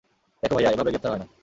দেখো ভাইয়া, এভাবে গ্রেফতার হয় না।